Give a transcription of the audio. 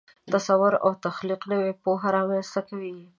تصور او تخلیق نوې پوهه رامنځته کوي.